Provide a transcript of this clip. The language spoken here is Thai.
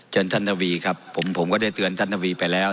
เชิญท่านทวีครับผมก็ได้เตือนท่านทวีไปแล้ว